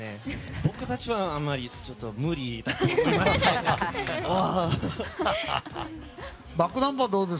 僕たちは、あまりちょっと無理だと思います。